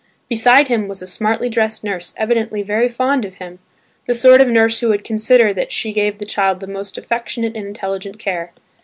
Beside him was a smartly dressed nurse evidently very fond of him, the sort of nurse who would consider that she gave the child the most affectionate and intelligent care.